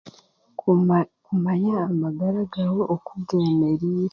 Kuma kumanya amagara gaawe oku geemereire